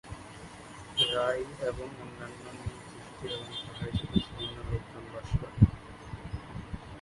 রাই এবং অন্যান্য নৃগোষ্ঠী এবং পাহাড়ি জাতির বিভিন্ন লোকজন বাস করে।